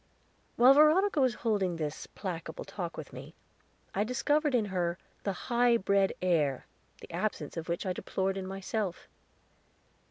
While Veronica was holding this placable talk with me, I discovered in her the high bred air, the absence of which I deplored in myself.